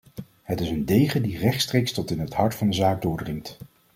Het is een degen die rechtstreeks tot in het hart van de zaak doordringt.